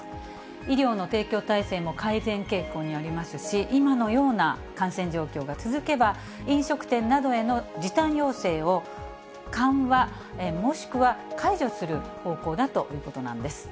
医療の提供体制も改善傾向にありますし、今のような感染状況が続けば、飲食店などへの時短要請を緩和、もしくは解除する方向だということなんです。